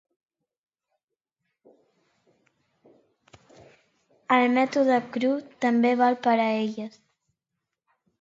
El mètode Cru també val per a elles.